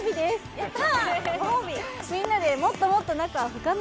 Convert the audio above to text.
・やった！